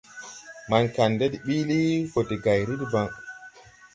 Maŋ Kandɛ de biili, go de gayri debaŋ.